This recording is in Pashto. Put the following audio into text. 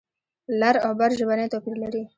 لر او بر ژبنی توپیر لري.